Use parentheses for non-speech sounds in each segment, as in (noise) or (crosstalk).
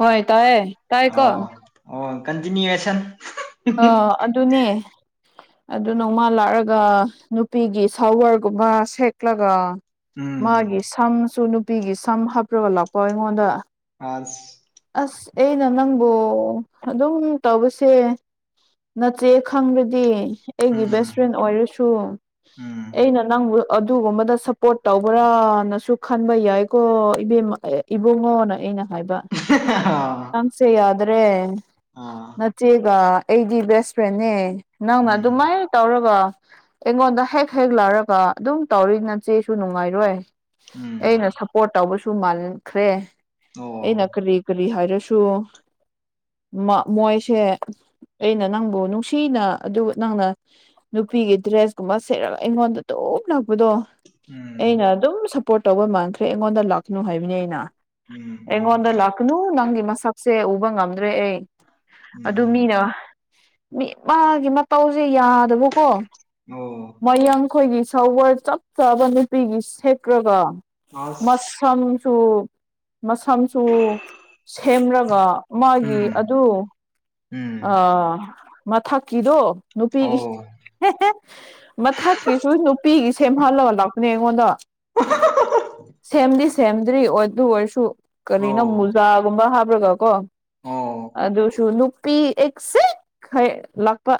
ꯍꯣꯏ ꯇꯥꯏꯌꯦ ꯇꯥꯏꯀꯣ ꯑꯣ ꯑꯣ ꯀꯟꯇꯨꯌꯦꯁꯟ ꯑ ꯑꯗꯨꯅꯦ ꯑꯗꯨ ꯅꯣꯡꯃ ꯂꯥꯛꯑꯒ ꯅꯨꯄꯤꯒꯤ ꯁꯋꯔꯒꯨꯝꯕ ꯁꯦꯛꯂꯒ ꯎꯝ ꯃꯥꯒꯤ ꯁꯝꯁꯨ ꯅꯨꯄꯤꯒꯤ ꯁꯝ ꯍꯥꯞꯄꯒ ꯂꯥꯛꯄ ꯑꯩꯉꯣꯟꯗ ꯑꯥꯁ ꯑꯁ ꯑꯩꯅ ꯅꯪꯕꯨ ꯑꯗꯨꯝ ꯇꯧꯕꯁꯦ ꯅꯠꯇꯦ ꯈꯪꯕꯗꯤ ꯑꯩꯒꯤ ꯕꯦꯁ ꯎꯝ ꯐ꯭ꯔꯦꯟ ꯑꯣꯏꯔꯁꯨ ꯎꯝ ꯑꯩꯅ ꯅꯪꯕꯨ ꯑꯗꯨꯒꯨꯝꯕꯗ ꯁꯄꯣꯔꯠ ꯇꯧꯕ꯭ꯔꯅꯁꯨ ꯈꯟꯕ ꯌꯥꯏꯀꯣ ꯏꯕꯦꯝ ꯏꯕꯨꯡꯉꯣꯅ ꯑꯩꯅ ꯍꯥꯏꯕ ꯑ ꯆꯥꯡꯁꯤꯦꯗ꯭ꯔꯦ ꯑꯥ ꯆꯦꯒ ꯑꯩꯗꯤ ꯕꯦꯁ ꯐ꯭ꯔꯦꯦ ꯅꯪꯅ ꯎꯝ ꯑꯗꯨꯃꯥꯏ ꯇꯧꯔꯒ ꯑꯩꯉꯣꯟꯗ ꯍꯦꯛ ꯍꯦꯛ ꯂꯔꯒ ꯑꯗꯨꯝ ꯇꯧꯔꯤ ꯅꯆꯦꯁꯨ ꯅꯨꯡꯉꯥꯏꯔꯣꯏ ꯑꯩꯅ ꯎꯝ ꯁꯞꯄꯣꯔꯠ ꯇꯧꯕꯁꯨ ꯃꯜꯈ꯭ꯔꯦ ꯑꯩꯅ ꯑꯣ ꯀꯔꯤ ꯀꯔꯤ ꯍꯥꯏꯔꯁꯨ ꯃꯣꯏꯁꯦ ꯑꯩꯅ ꯅꯪꯕꯨ ꯅꯨꯡꯁꯤꯅ ꯑꯗꯨ ꯅꯪꯅ ꯅꯨꯄꯤꯒꯤ ꯗ꯭ꯔꯦꯁꯀꯨꯝꯕ ꯁꯦꯠꯔꯒ ꯑꯩꯉꯣꯟꯗ ꯇꯞ ꯅꯛꯄꯗꯣ ꯑꯩꯅ ꯎꯝ ꯑꯗꯨꯝ ꯁꯞꯄꯣꯔꯠ ꯇꯧꯕ ꯃꯥꯟꯈ꯭ꯔꯦ ꯑꯩꯉꯣꯟꯗ ꯂꯥꯛꯀꯅꯨ ꯍꯥꯏꯕꯅꯤ ꯑꯩꯅ ꯎꯝ ꯑꯩꯉꯣꯟꯗ ꯂꯥꯛꯀꯅꯨ ꯅꯪꯒꯤ ꯃꯁꯛꯁꯦ ꯎꯕ ꯉꯝꯗ꯭ꯔꯦ ꯑꯩ ꯑꯗꯨ ꯎꯝ ꯃꯤꯅꯦ ꯃꯤ ꯃꯥꯒꯤ ꯃꯇꯧꯁꯦ ꯌꯥꯗꯕꯀꯣ ꯑꯣ ꯃꯌꯡꯈꯣꯏꯒꯤ ꯁꯋꯔ ꯆꯞ ꯆꯥꯕ ꯅꯨꯄꯤꯒꯤ ꯁꯦ꯭ꯔꯒ ꯑꯁ ꯃꯝꯁꯨ ꯃꯁꯝꯁꯨ ꯁꯦꯝꯂꯒ ꯃꯥꯒꯤ ꯎꯝ ꯑꯗꯨ ꯑ ꯎꯝ ꯃꯊꯛꯀꯤꯗꯣ ꯅꯨꯄꯤꯒꯤ ꯑꯣ ꯃꯊꯛꯀꯤꯁꯨ ꯅꯨꯄꯤꯒꯤ ꯁꯦꯝꯍꯜꯂꯒ ꯂꯥꯛꯄꯅꯦ ꯑꯩꯉꯣꯟꯗ ꯁꯦꯝꯗꯤ ꯁꯦꯝꯗ꯭ꯔꯤ ꯑꯣꯏ ꯑꯣꯏꯔꯁꯨ ꯀꯔꯤꯅꯣ ꯑꯣ ꯃꯨꯖꯥꯒꯨꯝꯕ ꯍꯥꯞꯕ꯭ꯔꯒ ꯀꯣ ꯑꯣ ꯑꯗꯨꯁꯨ ꯅꯨꯄꯤ ꯂꯥꯛꯄ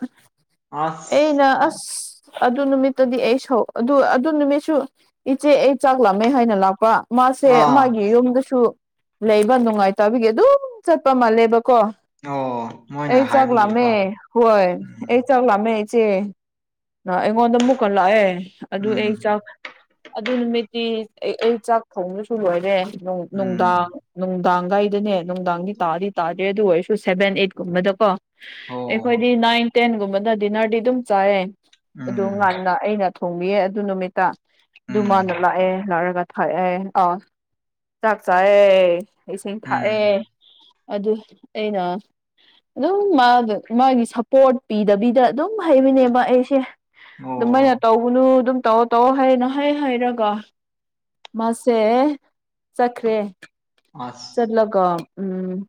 ꯑꯁ ꯑꯩꯩꯅ ꯑꯁ ꯑꯗꯨ ꯅꯨꯃꯤꯠꯇꯗꯤ ꯑꯩ ꯁꯧ ꯑꯗꯨ ꯑꯗꯨ ꯅꯨꯃꯤꯠꯁꯨ ꯏꯆꯦ ꯑꯩ ꯆꯥꯛ ꯂꯥꯃꯦ ꯍꯥꯏꯅ ꯂꯥꯛꯄ ꯃꯥꯁꯦ ꯑꯥ ꯃꯥꯒꯤ ꯌꯨꯝꯗꯁꯨ ꯂꯩꯕ ꯅꯨꯡꯉꯥꯏꯇꯕꯒꯤ ꯑꯗꯨꯝ ꯆꯠꯄ ꯃꯥꯜꯂꯦꯕꯀꯣ ꯑꯣ ꯃꯣꯏꯅ ꯑꯦ ꯆꯒꯂꯝꯃꯦ ꯍꯥꯏꯕꯒꯤꯀꯣ ꯍꯣꯏ ꯑꯩ ꯎꯝ ꯆꯥꯛ ꯂꯥꯛꯑꯃꯦ ꯏꯆꯦ ꯑꯩꯉꯣꯟꯗ ꯃꯨꯛ ꯀꯟ ꯂꯥꯛꯑꯦ ꯑꯗꯨ ꯑꯩ ꯎꯝ ꯆꯥꯛ ꯑꯗꯨ ꯅꯨꯃꯤꯠꯇꯤ ꯑꯩ ꯑꯩ ꯆꯥꯛ ꯊꯣꯡꯅꯁꯨ ꯂꯣꯏꯔꯦ ꯅꯨꯡꯗꯥꯡ ꯎꯝ ꯅꯨꯡꯗꯥꯡꯒꯥꯏꯗꯅꯦ ꯅꯨꯡꯗꯥꯡꯗꯤ ꯇꯥꯗꯤ ꯇꯥꯗꯦ ꯑꯗꯨ ꯑꯣꯏꯔꯁꯨ ꯁꯦꯚꯦꯟ ꯑꯩ ꯒꯨꯝꯕꯗꯀꯣ ꯑꯣ ꯑꯩꯈꯣꯏꯗꯤ ꯅꯥꯏꯟ ꯇꯦꯟꯒꯨꯝꯕꯅ ꯗꯤꯅꯔꯗꯤ ꯑꯗꯨꯝ ꯆꯥꯏꯌꯦ ꯎꯝ ꯨꯉꯗ ꯑꯩꯅ ꯊꯣꯡꯕꯤꯌꯦ ꯑꯗꯨ ꯅꯨꯃꯤꯠꯇ ꯑꯗꯨꯃꯅ ꯎꯝ ꯂꯥꯛꯑꯦ ꯂꯥꯛꯔꯒ ꯊꯥꯛꯑꯦ ꯑꯥꯎ ꯆꯥꯛ ꯆꯥꯑꯦ ꯏꯁꯤꯡ ꯎꯝ ꯊꯥꯛꯑꯦ ꯑꯗꯨ ꯑꯩꯅ ꯑꯗꯨꯝ ꯃꯥꯒ ꯃꯥꯒꯤ ꯁꯞꯄꯣꯔꯠ ꯄꯤꯗꯕꯤꯗ ꯑꯗꯨꯝ ꯍꯩꯕꯅꯦꯕ ꯑꯩꯁꯦ ꯑꯗꯨꯃꯥꯏꯅ ꯑꯣ ꯇꯧꯕꯅꯨ ꯑꯗꯨꯝ ꯇꯧꯔ ꯇꯧ ꯍꯥꯏꯅꯣ ꯍꯥꯏ ꯍꯥꯏꯔꯒ ꯃꯥꯁꯦ ꯆꯠꯈ꯭ꯔꯦ ꯑꯁ ꯆꯠꯂꯒ ꯎꯝ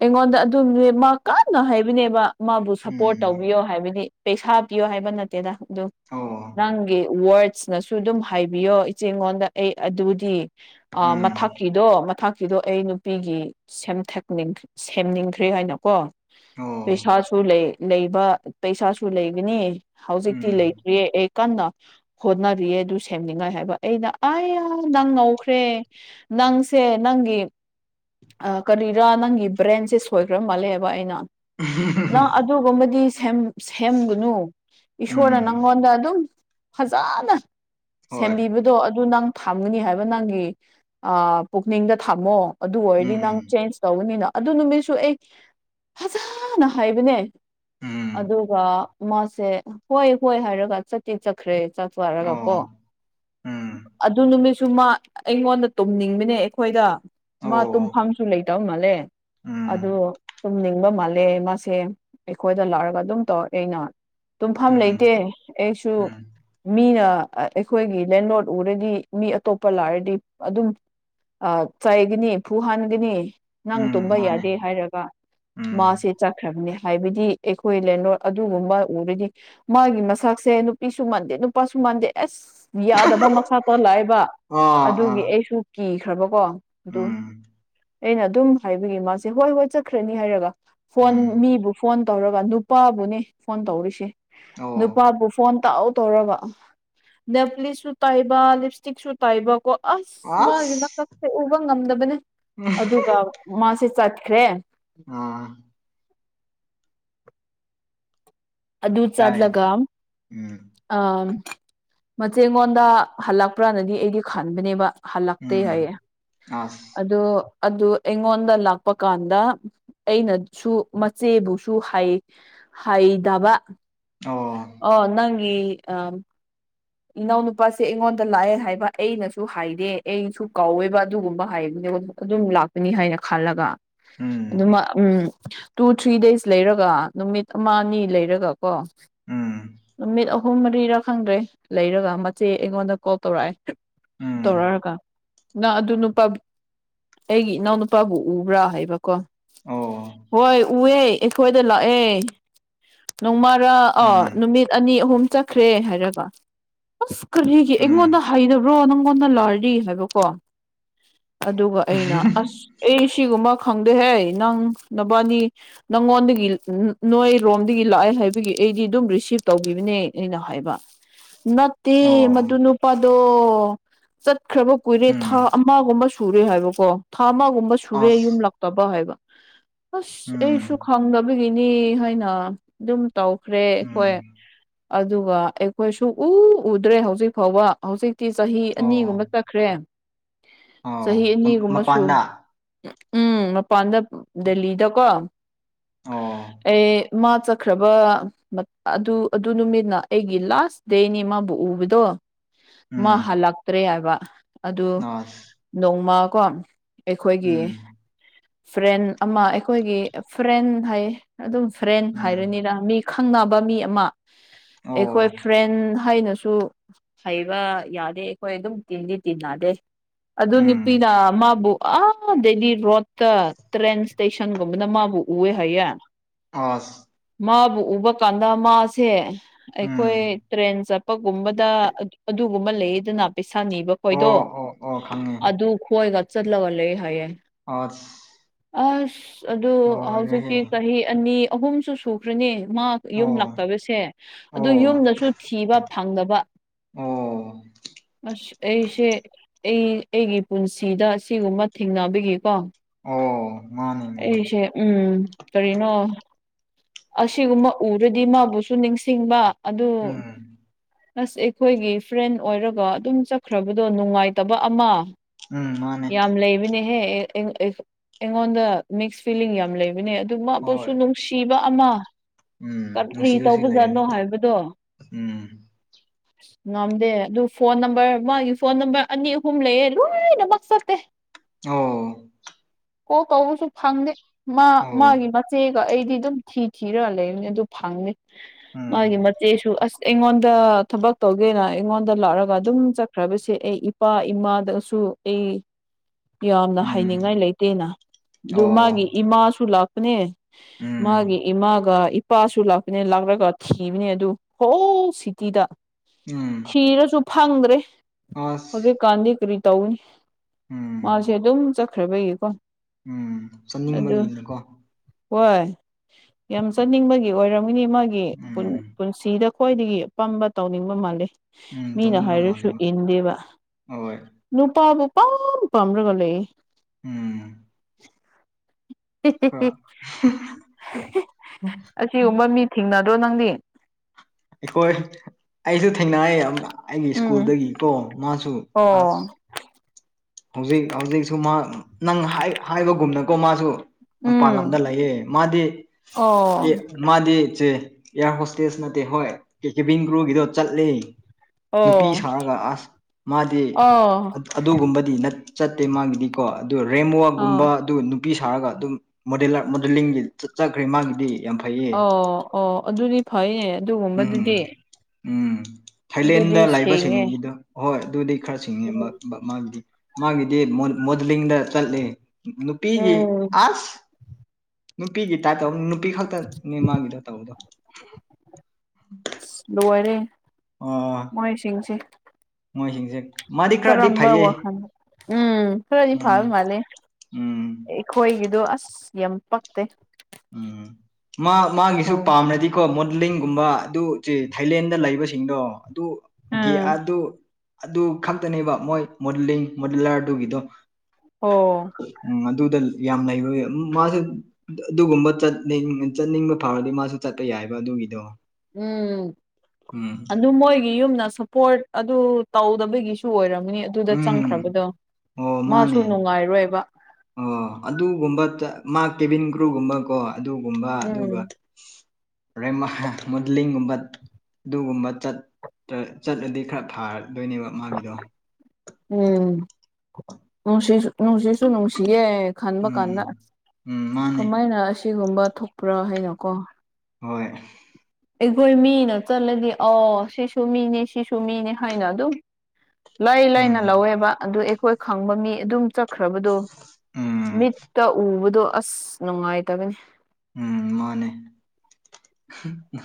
ꯑꯩꯉꯣꯟꯗ ꯑꯗꯨꯝꯅꯦ ꯃꯥ ꯀꯥꯟꯅ ꯍꯥꯏꯕꯅꯦꯕ ꯃꯥꯕꯨ ꯁꯄꯣꯔꯠ ꯎꯝ ꯇꯧꯕꯤꯌꯣ ꯍꯥꯏꯕꯗꯤ ꯄꯩꯁꯥ ꯄꯤꯌꯣ ꯍꯥꯏꯕ ꯅꯠꯇꯦꯗ ꯑꯗꯨ ꯑꯣ ꯅꯪꯒꯤ ꯋꯥ꯭ꯔꯗ ꯅꯁꯨ ꯑꯗꯨꯝ ꯍꯥꯏꯕꯤꯌꯣ ꯏꯆꯦ ꯑꯩꯉꯣꯟꯗ ꯑꯩ ꯑꯗꯨꯗꯤ ꯎꯝ ꯃꯊꯛꯀꯤꯗꯣ ꯃꯊ ꯁꯤꯗꯣ ꯑꯩ ꯅꯨꯄꯤꯒꯤ ꯁꯦꯝꯅꯤꯡ ꯁꯦꯝꯅꯤꯡꯈ꯭ꯔꯦ ꯍꯥꯏꯅꯀꯣ ꯑꯣ ꯄꯩꯁꯥꯁꯨ ꯂꯩ ꯂꯩꯕ ꯄꯩꯁꯥꯁꯨ ꯂꯩꯒꯅꯤ ꯍꯧꯖꯤꯛꯇꯤ ꯎꯝ ꯂꯩꯇ ꯑꯦꯀꯥꯟꯅ ꯍꯣꯠꯅꯔꯤꯌꯦ ꯑꯗꯨ ꯁꯦꯝꯅꯤꯡꯉꯥꯏ ꯍꯥꯏꯕ ꯑꯩꯅ ꯑ ꯑ ꯅꯪ ꯉꯧꯈ꯭ꯔꯦ ꯅꯪꯁꯦ ꯅꯪꯒꯤ ꯑ ꯀꯔꯤꯔꯥ ꯅꯪꯒꯤ ꯕ꯭ꯔꯦꯟꯁꯦ ꯁꯣꯏꯈ꯭ꯔ ꯃꯥꯜꯂꯦꯕ ꯑꯩꯅ ꯎꯍꯨꯝ ꯍꯨꯝ ꯅꯪ ꯍꯨꯝ ꯑꯗꯨꯒꯨꯝꯕꯗꯤ ꯁꯦꯝ ꯁꯦꯝꯒꯅꯨ ꯏꯁꯣꯔꯅ ꯎꯝ ꯅꯪꯉꯣꯟꯗ ꯑꯗꯨꯝ ꯐꯖꯅ ꯍꯣꯏ ꯁꯦꯝꯕꯤꯕꯗꯣ ꯑꯗꯨ ꯅꯪ ꯊꯝꯒꯅꯤ ꯍꯥꯏꯕ ꯅꯪꯒꯤ ꯑ ꯄꯨꯛꯅꯤꯡꯗ ꯊꯝꯃꯣ ꯑꯗꯨ ꯑꯣꯏꯔꯗꯤ ꯅꯪ ꯎꯝ ꯆꯦꯟꯁ ꯇꯧꯕꯅꯤꯅ ꯑꯗꯨ ꯅꯨꯃꯤꯠꯁꯨ ꯑꯩ ꯐꯖꯅ ꯍꯥꯏꯕꯅꯦ ꯎꯝ ꯑꯗꯨꯒ ꯃꯥꯁꯦ ꯍꯣꯏ ꯍꯣꯏ ꯍꯥꯏꯔꯒ ꯆꯠꯇꯤ ꯆꯠꯈ꯭ꯔꯦ ꯆꯥꯛ ꯆꯥꯔꯒꯀꯣ ꯑꯣ ꯎꯝ ꯑꯗꯨ ꯅꯨꯃꯤꯠ ꯁꯨ ꯃꯥ ꯑꯩꯉꯣꯟꯗ ꯇꯨꯝꯅꯤꯡꯕꯅꯦ ꯑꯩꯈꯣꯏꯗ ꯃꯥ ꯑꯣ ꯇꯨꯝꯐꯝꯁꯨ ꯂꯩꯇꯕ ꯃꯥꯜꯂꯦ ꯑꯗꯨ ꯎꯝ ꯇꯨꯝꯅꯤꯡꯕ ꯃꯥꯜꯂꯦ ꯃꯥꯁꯦ ꯑꯩꯈꯣꯏꯗ ꯂꯥꯛꯔꯒ ꯑꯗꯨꯝ ꯇꯧꯔꯛꯑꯦ ꯑꯩꯅ ꯇꯨꯝꯐꯝ ꯂꯩꯇꯦ ꯎꯝ ꯑꯩꯁꯨ ꯎꯝ ꯃꯤꯅ ꯑ ꯑꯩꯈꯣꯏꯒꯤ ꯂꯦꯟꯂ꯭ꯔꯣꯠ ꯎꯔꯗꯤ ꯃꯤ ꯑꯇꯣꯞꯄ ꯂꯥꯛꯔꯗꯤ ꯑꯗꯨꯝ ꯑ ꯆꯥꯏꯒꯅꯤ ꯐꯨꯍꯟꯒꯅꯤ ꯅꯪ ꯎꯝ ꯇꯨꯝꯕ ꯃꯥꯅꯦ ꯌꯥꯗꯦ ꯍꯥꯏꯔꯒ ꯎꯝ ꯃꯥꯁꯤ ꯆꯠꯈ꯭ꯔꯕꯅꯤ ꯍꯥꯏꯕꯗꯤ ꯑꯩꯈꯣꯏ ꯂꯦꯟꯔꯣꯠ ꯑꯗꯨꯒꯨꯝꯕ ꯎꯔꯗꯤ ꯃꯥꯒꯤ ꯃꯁꯥꯛꯁꯦ ꯅꯨꯄꯤꯁꯨ ꯃꯥꯟꯗꯦ ꯅꯨꯄꯥꯁꯨ ꯃꯥꯟꯗꯦ ꯑꯁ ꯌꯥꯗꯕ ꯃꯁꯥꯛꯇꯣ ꯂꯥꯛꯌꯦꯕ ꯑꯗꯨꯒꯤ ꯑꯥ ꯑꯥ ꯑꯩꯁꯨ ꯀꯤꯈ꯭ꯔꯕꯀꯣ ꯑꯗꯨ ꯎꯝ ꯑꯩꯅ ꯑꯗꯨꯝ ꯍꯥꯏꯕꯤꯒ ꯃꯥꯁꯦ ꯍꯣꯏ ꯍꯣꯏ ꯆꯠꯈ꯭ꯔꯅꯤ ꯍꯥꯏꯔꯒ ꯐꯣꯟ ꯎꯝ ꯃꯤꯕꯨ ꯐꯣꯟ ꯇꯧꯔꯒ ꯅꯨꯄꯥꯕꯨꯅꯦ ꯐꯣꯟ ꯇꯧꯔꯤꯁꯦ ꯑꯣ ꯅꯨꯄꯥꯕꯨ ꯐꯣꯟ ꯇꯧ ꯇꯧꯔꯕ ꯅꯦꯞꯂꯤꯁꯁꯨ ꯇꯩꯕ ꯂꯤꯞꯁꯇꯤꯛꯁꯨ ꯇꯩꯕ ꯀꯣ ꯑꯁ ꯃꯥꯒꯤ ꯃꯁꯛꯁꯦ ꯎꯕ ꯉꯝꯗꯕꯅꯦ ꯑꯗꯨꯒ ꯃꯥꯁꯦ ꯆꯠꯈ꯭ꯔꯦ ꯑ ꯑꯗꯨ ꯇꯥꯏ ꯆꯠꯂꯒ ꯎꯝ ꯑꯥꯝ ꯃꯆꯦꯉꯣꯟꯗ ꯍꯜꯂꯛꯄ꯭ꯔꯅꯗꯤ ꯑꯩꯗꯤ ꯈꯟꯕꯅꯦꯕ ꯍꯜꯂꯛꯇꯦ ꯎꯝ ꯍꯥꯏꯌꯦ ꯑꯁ ꯑꯗꯣ ꯑꯗꯨ ꯑꯩꯉꯣꯟꯗ ꯂꯥꯛꯄ ꯀꯥꯟꯗ ꯑꯩꯅꯁꯨ ꯃꯆꯦꯕꯨꯁꯨ ꯍꯥꯏ ꯍꯩꯗꯕ ꯑꯣ ꯑꯣ ꯅꯪꯒꯤ ꯑꯝ ꯏꯅꯥꯎ ꯅꯨꯄꯥꯁꯦ ꯑꯩꯉꯣꯟꯗ ꯂꯥꯛꯑꯦ ꯍꯥꯏꯕ ꯑꯩꯅꯁꯨ ꯍꯥꯏꯗꯦ ꯑꯩꯁꯨ ꯀꯥꯎꯋꯦꯕ ꯑꯗꯨꯒꯨꯝꯕ ꯍꯥꯏꯕꯅꯦꯕ ꯑꯗꯨꯝ ꯂꯥꯛꯀꯅꯤ ꯍꯥꯏꯅ ꯈꯜꯂꯒ ꯎꯝ ꯑꯗꯨꯃ ꯎꯝ ꯇꯨ ꯊ꯭ꯔꯤ ꯗꯦꯖ ꯂꯩꯔꯒ ꯅꯨꯃꯤꯠ ꯑꯃ ꯑꯅꯤ ꯂꯩꯔꯒ ꯀꯣ ꯎꯝ ꯅꯨꯃꯤꯠ ꯑꯍꯨꯝ ꯃꯔꯤꯔꯥ ꯈꯪꯗ꯭ꯔꯦ ꯂꯩꯔꯒ ꯃꯆꯦ ꯑꯩꯉꯣꯟꯗ ꯀꯣꯜ ꯇꯧꯔꯛꯑꯦ ꯎꯝ ꯇꯧꯔꯛꯑꯒ ꯅꯪ ꯑꯗꯨ ꯅꯨꯄꯥꯞ ꯑꯩꯒꯤ ꯏꯅꯥꯎꯅꯨꯄꯥꯕꯨ ꯎꯕ꯭ꯔꯥ ꯍꯥꯏꯕꯀꯣ ꯑꯣ ꯍꯣꯏ ꯎꯋꯦ ꯑꯩꯈꯣꯏꯗ ꯂꯥꯛꯑꯦ ꯅꯣꯡꯃ ꯈꯔ ꯎꯝ ꯑ ꯅꯨꯃꯤꯠ ꯑꯅꯤ ꯑꯍꯨꯝ ꯆꯠꯈ꯭ꯔꯦ ꯍꯥꯏꯔꯒ ꯑꯁ ꯀꯔꯤꯒꯤ ꯑꯩꯉꯣꯟꯗ ꯎꯝ ꯍꯩꯕ꯭ꯔꯣ ꯅꯪꯉꯣꯟꯗ ꯂꯔꯤ ꯍꯥꯏꯕꯀꯣ ꯑꯗꯨꯒ ꯑꯩꯅ ꯑꯁ ꯑꯩ ꯁꯤꯒꯨꯝꯕ ꯈꯪꯗꯦꯍꯦ ꯅꯪ ꯅꯕꯥꯅꯤ ꯅꯪꯉꯣꯟꯗꯒꯤ ꯅꯣꯏꯔꯣꯝꯗꯒꯤ ꯂꯥꯛꯑꯦ ꯍꯥꯏꯕꯒꯤ ꯑꯩꯗꯤ ꯑꯗꯨꯝ ꯔꯤꯁꯤꯞ ꯇꯧꯈꯤꯕꯅꯦ ꯑꯩꯅ ꯍꯥꯏꯕ ꯅꯠꯇꯤ ꯑꯣ ꯃꯗꯨꯅꯨꯄꯥꯗꯣ ꯆꯠꯈ꯭ꯔꯕ ꯀꯨꯏꯔꯦ ꯊꯥ ꯎꯝ ꯑꯃꯒꯨꯝꯕ ꯁꯨꯔꯦ ꯍꯥꯏꯕꯀꯣ ꯊꯥ ꯑꯃꯒꯨꯝꯕ ꯁꯨꯔꯦ ꯑꯁ ꯌꯨꯝ ꯇꯕ ꯍꯥꯏꯕ ꯑꯁ ꯑꯩꯁꯨ ꯎꯝ ꯈꯪꯗꯕꯒꯤꯅꯤ ꯍꯥꯏꯅ ꯑꯗꯨꯝ ꯇꯧ ꯈ꯭ꯔꯦ ꯑꯩꯈꯣꯏ ꯎꯝ ꯑꯗꯨꯒ ꯑꯩꯈꯣꯏ ꯁꯨꯛꯎ ꯎꯗ꯭ꯔꯦ ꯍꯧꯖꯤꯛ ꯐꯥꯎꯕ ꯍꯧꯖꯤꯛꯇꯤ ꯆꯍꯤ ꯑꯅꯤꯒꯨꯝꯕ ꯑꯣ ꯆꯠꯈ꯭ꯔꯦ ꯆꯍꯤ ꯑꯣ ꯑꯅꯤꯒꯨꯝꯕꯁꯨ ꯃꯄꯥꯟꯗ ꯎꯝ ꯃꯄꯥꯟꯗ ꯗꯦꯜꯂꯤꯗꯀꯣ ꯑꯣ ꯑꯦ ꯃꯥ ꯆꯠꯈ꯭ꯔꯕ ꯃꯠ ꯑꯗꯨ ꯑꯗꯨ ꯅꯨꯃꯤꯠꯅ ꯑꯩꯒꯤ ꯂꯥꯁ ꯏꯁꯇꯦꯅꯤ ꯃꯥꯕꯨ ꯎꯕꯗꯣ ꯃꯥ ꯎꯝ ꯍꯜꯂꯛꯇ꯭ꯔꯦ ꯍꯥꯏꯕ ꯑꯗꯨ ꯑꯁ ꯅꯣꯡꯃ ꯀꯣ ꯑꯩꯈꯣꯏꯒꯤ ꯎꯝ ꯐ꯭ꯔꯦꯟ ꯑꯃ ꯑꯩꯈꯣꯏꯒꯤ ꯐ꯭ꯔꯦꯟ ꯍꯥꯏ ꯑꯗꯨꯝ ꯐ꯭ꯔꯦꯟ ꯎꯝ ꯍꯥꯏꯔꯅꯤꯅ ꯃꯤ ꯈꯪꯅꯕ ꯃꯤ ꯑꯃ ꯑꯩꯈꯣꯏ ꯑꯣ ꯎ ꯍꯩꯅꯁꯨ ꯍꯩꯕ ꯌꯥꯗꯦ ꯑꯩꯈꯣꯏ ꯑꯗꯨꯝ ꯇꯤꯟꯗꯤ ꯇꯤꯟꯅꯗꯦ ꯑꯗꯨ ꯎꯝ ꯅꯨꯄꯤꯅ ꯃꯥꯕꯨ ꯑꯗꯩꯗꯤ ꯔꯣꯠꯇ ꯇ꯭ꯔꯦꯟ ꯏꯁꯇꯦꯁꯟꯒꯨꯝꯕꯅ ꯃꯥꯕꯨ ꯎꯑꯦ ꯍꯥꯏꯌꯦꯦ ꯑꯁ ꯃꯥꯕꯨ ꯎꯕ ꯀꯥꯟꯗ ꯃꯥꯁꯦ ꯑꯩꯈꯣꯏ ꯎꯝ ꯇ꯭ꯔꯦꯟ ꯆꯠꯄꯒꯨꯝꯕꯗ ꯑꯗꯨꯒꯨꯝꯕ ꯂꯩꯌꯦꯗꯅ ꯄꯩꯁꯥ ꯅꯤꯕ ꯑꯣ ꯈꯣꯏꯗꯣ ꯑꯣ ꯑꯣ ꯈꯪꯉꯦ ꯑꯗꯨ ꯈꯣꯏꯒ ꯆꯠꯂꯒ ꯂꯩ ꯍꯥꯏꯌꯦ ꯑꯁ ꯑꯁ ꯑꯗꯨ ꯂꯣꯏꯔꯦꯍꯦ ꯍꯧꯖꯤꯛꯇꯤ ꯆꯍꯤ ꯑꯅꯤ ꯑꯍꯨꯝꯁꯨ ꯁꯨꯈ꯭ꯔꯅꯤ ꯃꯥ ꯌꯨꯝ ꯑꯣ ꯂꯇꯕꯁꯦ ꯑꯗꯨ ꯑꯣ ꯌꯨꯝꯗꯁꯨ ꯊꯤꯕ ꯐꯪꯗꯕ ꯑꯣ ꯑꯁ ꯑꯩꯁꯦ ꯑꯩ ꯑꯩꯒꯤ ꯄꯨꯟꯁꯤꯗ ꯁꯤꯒꯨꯝꯕ ꯊꯦꯡꯅꯕꯤꯒꯀꯣ ꯑꯣ ꯃꯥꯅꯦ ꯃꯥꯅꯦ ꯑꯩꯁꯦ ꯎꯝ ꯀꯔꯤꯅꯣ ꯑꯁꯤꯒꯨꯝꯕ ꯎꯔꯗꯤ ꯃꯥꯕꯨꯁꯨ ꯅꯤꯡꯁꯤꯡꯕ ꯑꯗꯨ ꯎꯝ ꯅꯁ ꯑꯩꯈꯣꯏꯒꯤ ꯐ꯭ꯔꯦꯟ ꯑꯣꯏꯔꯒ ꯑꯗꯨꯝ ꯆꯠꯈ꯭ꯔꯕꯗꯣ ꯅꯨꯡꯉꯥꯏꯇꯕ ꯑꯃ ꯎꯝ ꯃꯥꯅꯦ ꯌꯥꯝ ꯂꯩꯕꯅꯦꯍꯦ ꯑꯩꯉꯣꯟꯗ ꯃꯤꯛꯁ ꯐꯤꯂꯤꯡ ꯌꯥꯝ ꯂꯩꯕꯅꯦ ꯑꯗꯨꯃꯛꯕꯨꯁꯨ ꯍꯣꯏ ꯅꯨꯡꯁꯤꯕ ꯑꯃ ꯎꯝ ꯀꯔꯤ ꯅꯨꯡꯁꯤꯕꯁꯨ ꯇꯧꯕꯖꯥꯠꯅꯣ ꯂꯩꯔꯅꯤ ꯍꯥꯏꯕꯗꯣ ꯎꯝ (inaudible) ꯉꯝꯗꯦ ꯑꯗꯨ ꯐꯣꯟ ꯅꯝꯕꯔ ꯃꯥꯒꯤ ꯐꯣꯟ ꯅꯝꯕꯔ ꯑꯅꯤ ꯑꯍꯨꯝ ꯂꯩꯌꯦꯦ ꯂꯣꯏꯅꯃꯛ ꯆꯠꯇꯦ (inaudible) ꯑꯣ ꯀꯣ ꯇꯧꯕꯁꯨ ꯐꯪꯗꯦ ꯃꯥ ꯑꯣ ꯃꯥꯒꯤ ꯃꯆꯦꯒ ꯑꯩꯗꯤ ꯑꯗꯨꯝ ꯊꯤ ꯊꯤꯔꯒ ꯂꯩꯕꯅꯤ ꯑꯗꯨ ꯐꯪꯅꯤ ꯃꯥꯒꯤ ꯎꯝ ꯃꯆꯦꯁꯨ ꯑꯁ ꯑꯩꯉꯣꯟꯗ ꯊꯕꯛ ꯇꯧꯒꯦꯅ ꯑꯩꯉꯣꯟꯗ ꯂꯥꯛꯑꯒ ꯑꯗꯨꯝ ꯆꯠꯈ꯭ꯔꯕꯁꯦ ꯑꯩ ꯏꯄꯥ ꯏꯃꯥꯗ ꯇ ꯑꯩ ꯌꯥꯝꯅ ꯎꯝ ꯍꯥꯏꯅꯤꯡꯉꯥꯏ ꯂꯩꯇꯦꯅ ꯑꯗꯨ ꯃꯥꯒꯤ ꯑꯣ ꯏꯃꯥꯁꯨ ꯂꯥꯛꯄꯅꯦ ꯃꯥꯒꯤꯦ ꯎꯝ ꯏꯃꯥꯒ ꯏꯄꯥꯁꯨ ꯂꯥꯛꯄꯅꯦ ꯂꯥꯛꯂꯒ ꯊꯤꯕꯅꯦ ꯑꯗꯨ ꯍꯣ ꯁꯤꯇꯤꯗ ꯎꯝ ꯊꯤꯔꯁꯨ ꯐꯪꯗ꯭ꯔꯦ ꯑꯁ ꯀꯥꯟꯗꯤ ꯀꯔꯤ ꯇꯧꯅꯤ ꯃꯥꯁꯦ ꯎꯝ ꯑꯗꯨꯝ ꯆꯠꯈ꯭ꯔꯕꯩꯒꯤꯀꯣ ꯎꯝ ꯆꯠꯅꯤꯡꯕꯒꯤꯅꯀꯣ ꯍꯣꯏ ꯌꯥꯝ ꯆꯠꯅꯤꯡꯕꯒꯤ ꯑꯣꯏꯔꯝꯒꯅꯤ ꯃꯥꯒꯤ ꯎꯝ ꯄꯨꯟꯁꯤꯗ ꯈ꯭ꯋꯥꯏꯗꯒꯤ ꯑꯄꯥꯝꯕ ꯇꯧꯅꯤꯡꯕ ꯃꯥꯜꯂꯤꯦ ꯎꯝ ꯃꯤꯅ ꯇꯧꯅꯤꯡꯕ ꯍꯥꯏꯔꯁꯨ ꯃꯥꯜꯂꯦꯕ ꯏꯟꯗꯦꯕ ꯍꯣꯏ ꯂꯨꯇ ꯑꯕꯨ ꯄꯞ ꯐ꯭ꯔꯣꯒ ꯂꯩ ꯎꯝ ꯈꯔ ꯑꯁꯤꯒꯨꯝꯕ ꯃꯤ ꯊꯦꯡꯅꯗ꯭ꯔꯣ ꯅꯪꯗꯤ ꯑꯩꯈꯣꯏ ꯑꯩꯁꯨ ꯊꯦꯡꯅꯑꯌꯦ ꯑꯩꯒꯤ ꯎꯝ ꯁ꯭ꯀꯨꯜꯗꯒꯤ ꯀꯣ ꯃꯥꯁꯨ ꯑꯣ ꯑ ꯍꯧꯖꯤꯛ ꯍꯧꯖꯤꯛꯁꯨ ꯃꯥ ꯅꯪ ꯍꯥꯏꯕꯒꯨꯝꯅꯀꯣ ꯃꯥꯁꯨ ꯃꯄꯥꯟ ꯎꯝ ꯂꯝꯗ ꯂꯩꯌꯦ ꯃꯥꯗꯤ ꯑꯣ ꯑꯦ ꯃꯥꯗꯤ ꯏꯆꯦ ꯏꯌꯥꯔ ꯍꯣꯁꯇꯦꯁ ꯅꯠꯇꯦ ꯍꯣꯏ ꯀꯦꯕꯤꯟ ꯀ꯭ꯔꯨꯒꯤꯗꯣ ꯆꯠꯂꯦ ꯑꯣ ꯅꯨꯄꯤ ꯁꯥꯔꯒ ꯑꯁ ꯃꯥꯗꯤ ꯑꯣ ꯑꯗꯨꯒꯨꯝꯕꯗꯤ ꯆꯠꯇꯦ ꯃꯥꯒꯤꯗꯤꯀꯣ ꯑꯗꯨ ꯑꯥ ꯔꯦꯝꯕꯋꯥꯒꯨꯝꯕ ꯑꯗꯨ ꯅꯨꯄꯤ ꯁꯥꯔꯒ ꯑꯗꯨꯝ ꯃꯣꯗꯂ ꯃꯣꯗꯦꯂꯤꯡꯒꯤ ꯆꯠ ꯆꯈ꯭ꯔꯦ ꯃꯥꯒꯤꯗꯤ ꯌꯥꯝ ꯐꯩꯌꯦ ꯑꯣ ꯑꯣ ꯑꯗꯨꯗꯤ ꯐꯩꯅꯦ ꯎꯝ ꯑꯗꯨꯒꯨꯝꯕꯗꯨꯗꯤ ꯎꯝ ꯊꯥꯏꯂꯦꯟꯗ ꯑꯗꯨꯗꯤ ꯁꯦꯡꯉꯦ ꯂꯥꯛꯏꯕꯁꯤꯡꯁꯤꯗ ꯍꯣꯏ ꯑꯗꯨꯗꯤ ꯈꯔ ꯁꯤꯡꯉꯦ ꯎꯝ ꯃꯥꯒꯤꯗꯤ ꯃꯥꯒꯤꯗꯤ ꯃꯣꯗꯂꯤꯡꯗ ꯆꯠꯂ ꯅꯨꯄꯤꯒꯤ ꯎꯝ ꯑꯁ ꯅꯨꯄꯤꯒꯤ ꯇꯥꯇꯕ ꯅꯨꯄꯤ ꯈꯛꯇ ꯅ ꯃꯥꯒꯤꯗꯣ ꯇꯧꯕꯗꯣ ꯂꯣꯏꯔꯦ ꯑꯣ ꯃꯣꯏꯁꯤꯡꯁꯦ ꯃꯣꯏꯁꯤꯡꯁꯦ ꯃꯥꯗꯤ ꯈꯔꯗꯤ ꯀꯔꯝꯕ ꯐꯩꯌꯦ ꯋꯥꯈꯜ ꯎꯝ ꯈꯔꯗꯤ ꯎꯝ ꯐꯥꯕ ꯃꯥꯂꯦ ꯎꯝ ꯑꯩꯣꯏꯒꯤꯗꯣ ꯑꯁ ꯌꯥꯝ ꯄꯛꯇꯦ ꯎꯝ ꯃꯥ ꯃꯥꯒꯤꯁꯨ ꯍꯧ ꯄꯥꯝꯅꯗꯤ ꯀꯣ ꯃꯣꯗꯂꯤꯡꯒꯨꯝꯕ ꯑꯗꯨ ꯆꯦ ꯊꯥꯏꯂꯦꯟꯗ ꯂꯩꯕꯁꯤꯡꯗꯣ ꯑꯗꯨ ꯒꯤ ꯎꯝ ꯑꯗꯨ ꯑꯗꯨ ꯈꯛꯇꯅꯦꯕ ꯃꯣꯏ ꯃꯣꯗꯂꯤꯡ ꯃꯣꯗꯂꯔꯗꯨꯒꯤꯗꯣ ꯑꯣ ꯎꯝ ꯑꯗꯨꯗ ꯌꯥꯝ ꯂꯩꯕ ꯃꯥꯁꯨꯦ ꯑꯗꯨꯒꯨꯝꯕ ꯆꯠꯅꯤꯡ ꯆꯠꯅꯤꯡꯕ ꯐꯥꯎꯔꯗꯤ ꯃꯥꯁꯨ ꯆꯠꯄ ꯌꯥꯏꯑꯕ ꯑꯗꯨꯒꯤꯗꯣ ꯎꯝ ꯎꯝ ꯑꯗꯨ ꯃꯣꯏꯒꯤ ꯌꯨꯝꯗ ꯄꯣꯔꯠ ꯑꯗꯨ ꯇꯧꯗꯕꯒꯤꯁꯨ ꯑꯣꯏꯔꯝꯅꯤ ꯑꯗꯨꯗ ꯎꯝ ꯆꯪꯈ꯭ꯔꯕꯗꯣ ꯑꯣ ꯃꯥꯁꯨ ꯃꯥꯅꯦ ꯅꯨꯡꯉꯥꯏꯔꯣꯏꯕ ꯑꯣ ꯑꯗꯨꯒꯨꯝꯕ ꯃꯥ ꯀꯦꯚꯟ ꯀ꯭ꯔꯨꯒꯨꯝꯕꯀꯣ ꯑꯗꯨꯒꯨꯝꯕ ꯎꯝ ꯑꯗꯨꯒ ꯦ ꯃꯣꯗꯂꯤꯡꯒꯨꯝꯕ ꯑꯗꯨꯒꯨꯝꯕ ꯆꯠꯂꯗꯤ ꯈꯔ ꯐꯥꯔꯗꯣꯏꯅꯦꯕ ꯃꯥꯒꯤꯗꯣ ꯎꯝꯁꯤꯁꯨ ꯅꯣꯡꯁꯤꯁꯨ ꯅꯨꯡꯁꯤꯌꯦ ꯈꯟꯕ ꯀꯥꯟꯗ ꯎꯝ ꯎꯝ ꯃꯥꯅꯦ ꯀꯃꯥꯏꯅ ꯑꯁꯤꯒꯨꯝꯕ ꯊꯣꯛꯄ꯭ꯔꯥ ꯍꯥꯏꯅꯀꯣ ꯍꯣꯏ ꯑꯩꯈꯣꯏ ꯃꯤꯅ ꯆꯠꯂꯗꯤ ꯑ ꯁꯤꯁꯨ ꯃꯤꯅꯦ ꯁꯤꯁꯨ ꯃꯤꯅꯦ ꯍꯥꯏꯅ ꯑꯗꯨꯝ ꯂꯩ ꯂꯩꯅ ꯎꯝ ꯂꯧꯋꯦꯕ ꯑꯗꯨ ꯑꯩꯈꯣꯏ ꯈꯪꯕ ꯃꯤ ꯑꯗꯨꯝ ꯈ꯭ꯔꯕꯗꯣ ꯎꯝ ꯃꯤꯠꯇ ꯎꯕꯗꯣ ꯑꯁ ꯅꯨꯡꯉꯥꯏꯇꯕꯅꯤ ꯎꯝ ꯃꯥꯅꯦ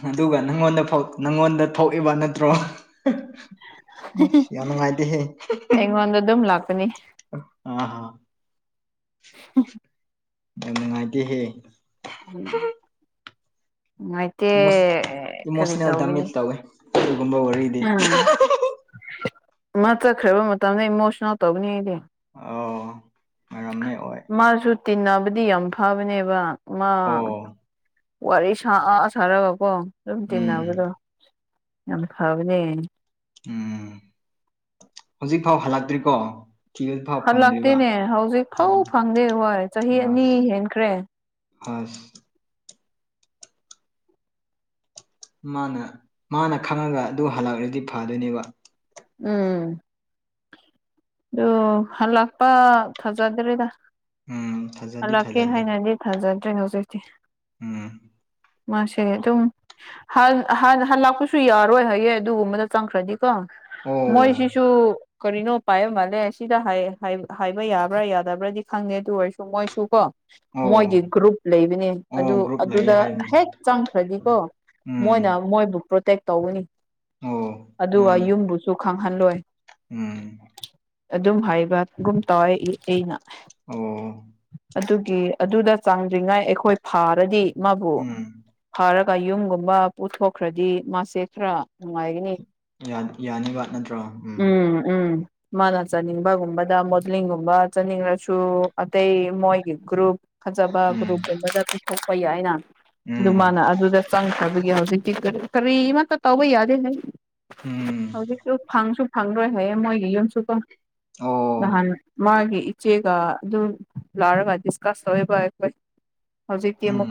ꯑꯗꯨꯒ ꯅꯪꯉꯣꯟꯗ ꯅꯪꯉꯣꯟꯗ ꯊꯣꯛꯏꯕ ꯅꯠꯇ꯭ꯔꯣ ꯑ ꯁꯤꯌꯥꯅꯅꯨꯡꯉꯥꯏꯗꯤ ꯍꯦ ꯑꯩꯉꯣꯟꯗ ꯑꯗꯨꯝ ꯂꯥꯛꯄꯅꯤ ꯑ ꯍꯥꯥ ꯎꯝ ꯌꯥꯝ ꯅꯨꯡꯉꯥꯏꯇꯦꯍꯦ ꯎꯝ ꯅꯨꯡꯉꯥꯏꯇꯦ ꯃꯣꯁ ꯀꯔꯤ ꯏꯃꯣꯁꯅꯦꯜ ꯇꯧꯈꯤꯅꯤ ꯗꯥꯃꯦꯖ ꯇꯧꯋꯦ ꯑꯗꯨꯒꯨꯝꯕ ꯋꯥꯔꯤꯗꯤ ꯎꯝ ꯃ ꯆꯠꯈ꯭ꯔꯕ ꯃꯇꯝꯗ ꯏꯃꯣꯁꯅꯦꯜ ꯇꯧꯧꯕꯅꯤ ꯑꯩꯗꯤ ꯑ ꯃꯥꯁꯨ ꯇꯤꯟꯅꯕꯗꯤ ꯌꯥꯝ ꯐꯕꯅꯦꯕ ꯃꯥ ꯑꯣ ꯋꯥꯔꯤ ꯁꯥꯑ ꯁꯥꯔꯕꯀꯣ ꯑꯗꯨꯝ ꯎꯝ ꯇꯤꯟꯅꯕꯗꯣ ꯌꯥꯝ ꯐꯕꯅꯦ ꯎꯝ ꯍꯧꯖꯤꯛ ꯐꯥꯎ ꯍꯜꯂꯛꯇ꯭ꯔꯤꯀꯣ ꯊꯤꯕ ꯐꯥꯎ ꯐꯪꯗ꯭ꯔꯤꯕ ꯍꯜꯂꯥꯛꯇꯦꯅꯦ ꯍꯧꯖꯤꯛ ꯐꯧ ꯎꯝ ꯐꯪꯗꯦ ꯍꯣꯏ ꯆꯍꯤ ꯑꯅꯤ ꯑꯁ ꯍꯦꯟꯈ꯭ꯔꯦ (unintelligible) ꯃꯥꯅ ꯃꯥꯅ ꯈꯪꯉꯒ ꯑꯗꯨ ꯍꯜꯂꯛꯂꯗꯤ ꯐꯗꯣꯏꯅꯦꯕ ꯎꯝ ꯑꯗꯨ ꯍꯜꯂꯥꯛꯄ ꯊꯥꯖꯗ꯭ꯔꯤꯗ ꯎꯝ ꯊꯥꯖꯗꯤ ꯍꯜꯂꯛꯀꯦ ꯊꯥꯖꯗꯦ ꯍꯥꯏꯅꯗꯤ ꯊꯥꯖꯗ꯭ꯔꯦꯅꯦꯣ ꯍꯧꯖꯤꯛꯇꯛꯇꯤ ꯎꯝ ꯃꯥꯁ ꯑꯗꯨꯝ ꯂꯥꯛꯄꯁꯨ ꯌꯥꯔꯣꯏ ꯍꯌꯦꯡ ꯑꯗꯨꯒꯨꯝꯕꯗ ꯆꯪꯈ꯭ꯔꯗꯤꯀꯣ ꯑꯣ ꯃꯣꯏꯁꯤꯁꯨ ꯀꯔꯤꯅꯣ ꯄꯥꯏꯌ ꯃꯥꯜꯂꯦ ꯁꯤꯗ ꯍꯥꯏꯕ ꯌꯥꯕ꯭ꯔꯥ ꯌꯥꯗꯕ꯭ꯔꯗꯤ ꯈꯪꯉꯦ ꯑꯗꯨ ꯑꯣꯏꯔꯁꯨ ꯃꯣꯏꯁꯨ ꯀꯣ ꯃꯣꯏꯒꯤ ꯑꯣ ꯒ꯭ꯔꯨꯞꯨꯞ ꯂꯩꯕꯅꯦ ꯑꯗꯨ ꯑꯣ ꯒ꯭ꯔꯨꯞ ꯂꯩꯌꯦ ꯑꯗꯨꯗ ꯍꯥꯏꯕꯅꯤ ꯍꯦꯛ ꯆꯪꯈ꯭ꯔꯗꯤꯀꯣ ꯃꯣꯏꯅ ꯎꯝ ꯃꯣꯏꯕꯨ ꯄ꯭ꯔꯣꯇꯦꯛ ꯇꯧꯒꯅꯤ ꯑꯣ ꯑꯗꯨꯒ ꯃꯥꯅꯤ ꯌꯨꯝꯕꯨꯁꯨ ꯈꯪꯍꯜꯂꯣꯏ ꯎꯝ ꯑꯗꯨꯝ ꯍꯥꯏꯕꯒꯨꯝ ꯇꯧꯋꯦ ꯑꯩꯅ ꯑꯣ ꯑꯗꯨꯒꯤ ꯑꯗꯨꯗ ꯆꯥꯡꯗ꯭ꯔꯤꯉꯥꯏ ꯑꯩꯈꯣꯏ ꯐꯥꯔꯗꯤ ꯃꯥꯕꯨ ꯎꯝ ꯐꯥꯔꯒ ꯌꯨꯝꯒꯨꯝꯕ ꯄꯨꯊꯣꯛꯈ꯭ꯔꯗꯤ ꯃꯥꯁꯦ ꯈꯔ ꯅꯨꯡꯉꯥꯏꯒꯅꯤ ꯌꯥ ꯌꯥꯅꯤꯕ ꯅꯠꯇ꯭ꯔꯣ ꯎꯝ ꯎꯝ ꯃꯥꯅ ꯆꯥꯅꯤꯡꯕꯒꯨꯝꯕꯗ ꯃꯣꯗꯂꯤꯡꯒꯨꯝꯕ ꯆꯥꯅꯤꯡꯂꯁꯨ ꯑꯇꯩ ꯃꯣꯏꯒꯤ ꯒ꯭ꯔꯨꯞ ꯐꯖꯕ ꯎꯝ ꯒ꯭ꯔꯨꯞꯒꯨꯝꯕꯗ ꯄꯤꯊꯣꯛꯄ ꯌꯥꯏ ꯑꯅ ꯑꯗꯨ ꯎꯝ ꯃꯥꯅ ꯑꯗꯨꯗ ꯆꯪꯈ꯭ꯔꯕꯒꯤ ꯍꯧꯖꯤꯛꯇꯤ ꯀꯔꯤ ꯀꯔꯤꯃꯇ ꯇꯧꯕ ꯌꯥꯗꯦ ꯍꯥꯏ ꯎꯝ ꯍꯧꯖꯤꯛ ꯁꯨ ꯐꯪꯗ꯭ꯔꯣꯏ ꯍꯥꯏꯌꯦ ꯃꯣꯏꯒꯤ ꯌꯨꯝꯁꯨꯀ ꯑꯣ ꯅꯍꯥꯟ ꯃꯥꯒꯤ ꯆꯦꯒ ꯑꯗꯨꯝ ꯂꯥꯔꯒ ꯗꯤꯁꯀꯥꯁ ꯇꯧꯕ ꯑꯩꯈꯣꯏ ꯍꯧꯖꯤꯛꯇꯤ ꯎꯝ ꯑꯃꯨꯛ